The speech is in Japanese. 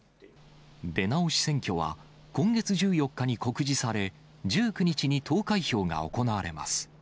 出直し選挙は、今月１４日に告示され、１９日に投開票が行われます。